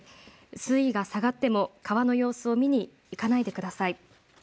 水位が下がっても川の様子を見に行かないでください。